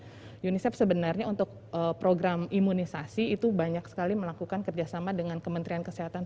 sejak covid sembilan belas unicef sebenarnya untuk program imunisasi itu banyak sekali melakukan kerjasama dengan kementerian kesehatan